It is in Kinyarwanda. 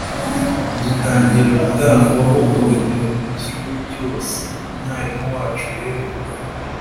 dutangira gutangwaho urugero mu kigo cyose. Umwarimu wacu rero